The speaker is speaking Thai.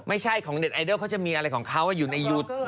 ไม่ใช่ของเด็ดไอดอลเขาจะมีอะไรของเขาอยู่ในหยุด